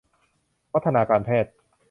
วัฒนาการแพทย์